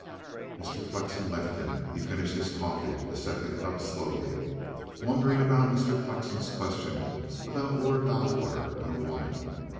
Mr. Flexen left him. He finished his coffee, the second cup, slowly, wondering about Mr. Flexen's question about Lord Loudwater and a woman.